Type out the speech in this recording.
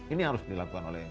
ini harus dilakukan oleh